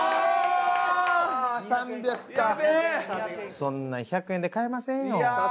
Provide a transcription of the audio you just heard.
そんなん１００円で買えませんよ。